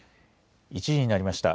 １時になりました。